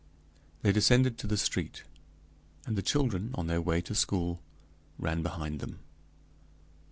They descended to the street, and the children, on their way to school, ran behind them.